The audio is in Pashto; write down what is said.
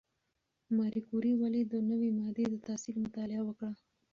ماري کوري ولې د نوې ماده د تاثیر مطالعه وکړه؟